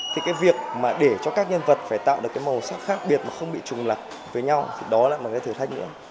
thì cái việc mà để cho các nhân vật phải tạo được cái màu sắc khác biệt mà không bị trùng lập với nhau thì đó lại một cái thử thách nữa